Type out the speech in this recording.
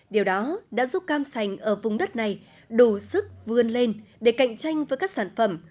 điều đó đã giúp cam sành ở vùng đất này đủ sức vươn lên để cạnh tranh với các sản phẩm